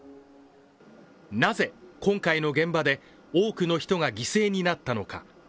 なぜ、今回の現場で多くの人が犠牲になったのか。